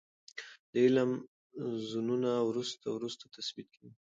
د علم زونونه وروسته وروسته تثبیت کیږي.